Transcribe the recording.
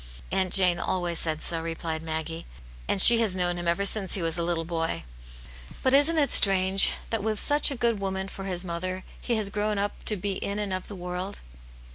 "Aunt Jane always said so," replied Maggie, "and she has known him ever since he was a little boy. But isn't it strange, that with such a good woman for his mother, he has grown up to be in and of the world